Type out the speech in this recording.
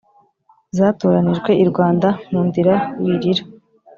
zatoranijwe i rwanda, nkundira wirira